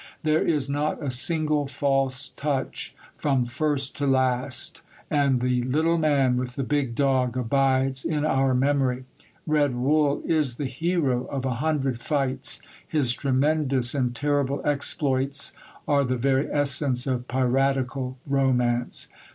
There is not a single false touch from first to last; and the little man with the big dog abides in our memory. Red Wull is the hero of a hundred fights; his tremendous and terrible exploits are the very essence of piratical romance.